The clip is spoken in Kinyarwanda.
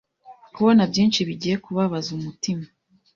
Kubona byinshi bigiye kubabaza umutima